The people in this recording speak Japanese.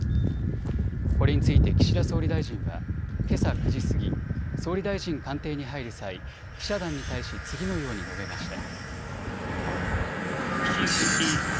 これについて岸田総理大臣はけさ９時過ぎ総理大臣官邸に入る際、記者団に対し次のように述べました。